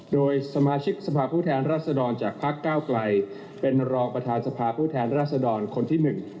โดยสมาชิกสภาพผู้แทนรัศดรจากพักก้าวไกลเป็นรองประธานสภาผู้แทนราษดรคนที่๑